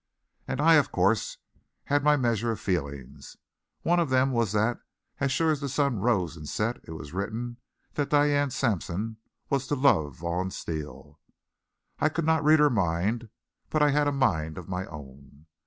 And I, of course, had my measure of feelings. One of them was that as sure as the sun rose and set it was written that Diane Sampson was to love Vaughn Steele. I could not read her mind, but I had a mind of my own.